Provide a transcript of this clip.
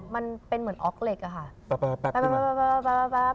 มันเป็นเหมือนออกเหล็กอะค่ะ